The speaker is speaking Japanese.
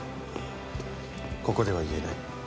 ここでは言えない。